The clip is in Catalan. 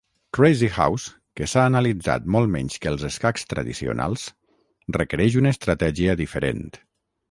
Crazyhouse, que s'ha analitzat molt menys que els escacs tradicionals, requereix una estratègia diferent.